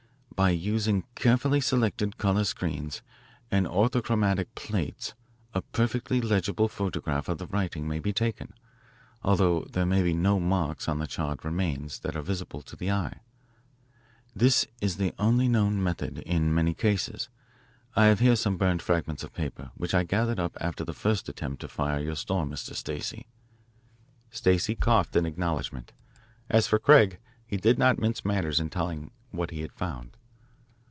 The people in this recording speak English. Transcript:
"By using carefully selected colour screens and orthochromatic plates a perfectly legible photograph of the writing may be taken, although there may be no marks on the charred remains that are visible to the eye. This is the only known method in many cases. I have here some burned fragments of paper which I gathered up after the first attempt to fire your store, Mr. Stacey." Stacey coughed in acknowledgment. As for Craig, he did not mince matters in telling what he had found.